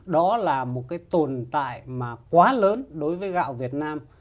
đó là một cái tồn tại mà quá lớn đối với gạo việt nam